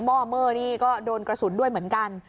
ห้อเมอร์นี่ก็โดนกระสุนด้วยเหมือนกัน